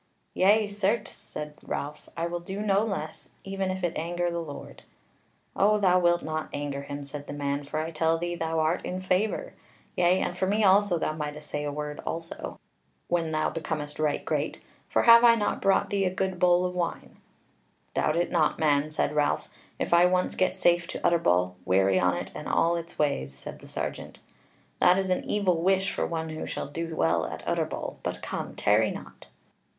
"Yea, certes," said Ralph, "I will do no less, even if it anger the Lord." "O thou wilt not anger him," said the man, "for I tell thee, thou art in favour. Yea, and for me also thou mightest say a word also, when thou becomest right great; for have I not brought thee a good bowl of wine?" "Doubt it not, man," said Ralph, "if I once get safe to Utterbol: weary on it and all its ways!" Said the sergeant: "That is an evil wish for one who shall do well at Utterbol. But come, tarry not."